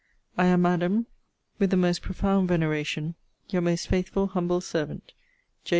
I am, Madam, with the most profound veneration, Your most faithful humble servant, J.